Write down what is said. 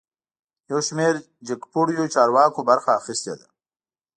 یوشمیر جګپوړیو چارواکو برخه اخیستې ده